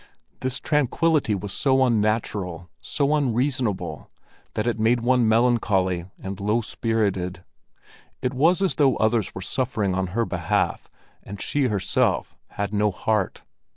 This tranquillity was so unnatural, so unreasonable, that it made one melancholy and low spirited. It was as though others were suffering on her behalf, and she herself had no heart.